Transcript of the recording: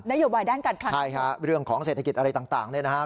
นโยบายด้านการคลักษณ์ใช่ค่ะเรื่องของเศรษฐกิจอะไรต่างด้วยนะครับ